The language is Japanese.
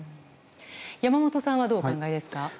山本さんはどうお考えですか？